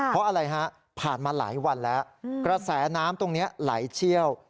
เพราะอะไรฮะผ่านมาหลายวันแล้วกระแสน้ำตรงนี้ไหลเชี่ยว